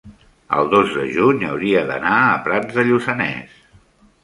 el dos de juny hauria d'anar a Prats de Lluçanès.